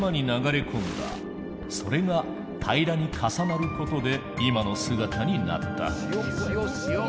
それが平らに重なることで今の姿になった。